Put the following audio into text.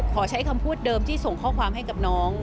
ขอใช้คำพูดเดิมที่ส่งข้อความให้กับน้อง